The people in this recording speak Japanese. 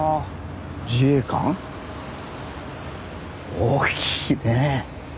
大きいねえ。